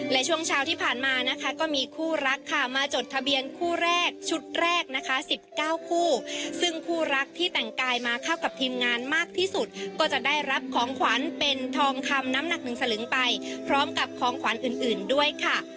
และช่วงเช้าที่ผ่านมานะคะก็มีคู่รักค่ะมาจดทะเบียนคู่แรกชุดแรกนะคะ๑๙คู่ซึ่งคู่รักที่แต่งกายมาเข้ากับทีมงานมากที่สุดก็จะได้รับของขวัญเป็นทองคำน้ำหนักหนึ่งสลึงไปพร้อมกับของขวัญอื่นด้วยค่ะ